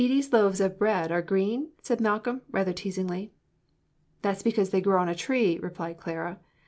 ] "So Edie's 'loaves of bread' are green?" said Malcolm, rather teasingly. "That's because they grow on a tree," replied Clara.